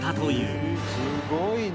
「すごいな！」